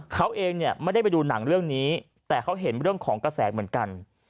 เขาเองเนี่ยไม่ได้ไปดูหนังเรื่องนี้แต่เขาเห็นเรื่องของกระแสเหมือนกัน